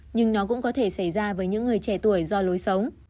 nhưng nó cũng có thể xảy ra với những người trẻ tuổi do lối sống